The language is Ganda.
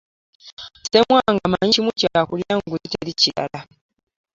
Ssemwanga amanyi kimu kya kulya nguzi teri kirala.